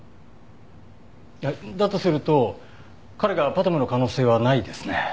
だとすると彼がＰＡＴＭの可能性はないですね。